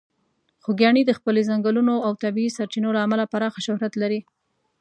خوږیاڼي د خپلې ځنګلونو او د طبیعي سرچینو له امله پراخه شهرت لري.